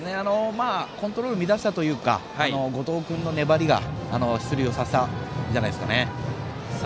コントロール乱したというか後藤君の粘りが出塁をさせたんじゃないでしょうか。